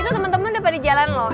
itu temen temen udah pada jalan loh